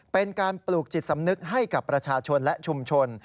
เป็นการปลูกจิตสำนึกให้กับประชาชนและชุมชน